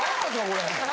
これ。